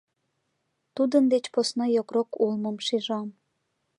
— Тудын деч посна йокрок улмым шижам.